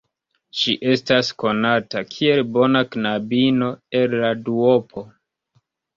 Ŝi estas konata kiel bona knabino el la duopo.